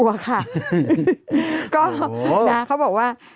มันเหมือนอ่ะ